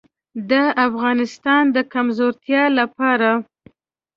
د افغانستان د کمزورتیا لپاره.